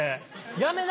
やめな！